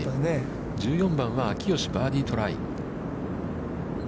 １４番は秋吉バーディートライ。